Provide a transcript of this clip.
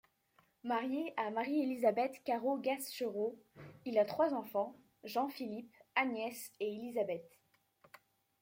Marié à Marie-Élisabeth Carreau-Gaschereau, il a trois enfants, Jean-Philippe, Agnès et Élisabeth.